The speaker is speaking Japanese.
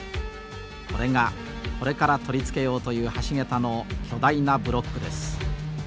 これがこれから取り付けようという橋桁の巨大なブロックです。